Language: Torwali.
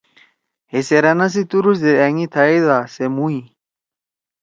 ہے سیرأن سی تُورُوڑ زید أنگی تھائی دا سے موئی۔